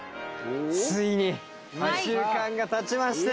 ついに２週間がたちまして。